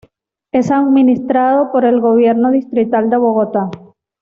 Es administrado por el gobierno distrital de Bogotá.